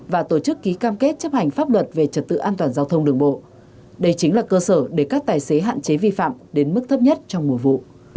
và tổ chức ký cam kết chấp hành pháp luật về trật tự an toàn giao thông đường bộ đây chính là cơ sở để các tài xế hạn chế vi phạm đến mức thấp nhất trong mùa vụ